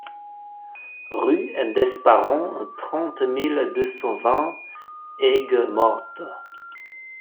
Rue d'Esparron, trente mille deux cent vingt Aigues-Mortes